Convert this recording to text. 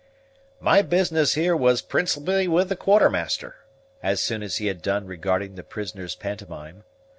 "My business here was principally with the Quartermaster," Cap continued, as soon as he had done regarding the prisoner's pantomime.